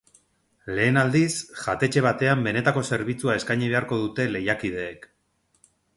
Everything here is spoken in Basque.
Lehen aldiz, jatetxe batean benetako zerbitzua eskaini beharko dute lehiakideek.